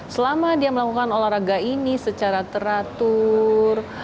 selama dia melakukan olahraga ini secara teratur